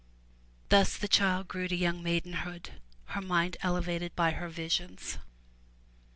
Thus the child grew to young maiden hood, her mind elevated by her visions.